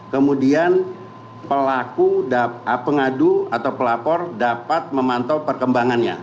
kemudian pelaku pengadu atau pelapor dapat memantau perkembangannya